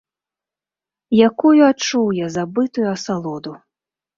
Якую адчуў я забытую асалоду!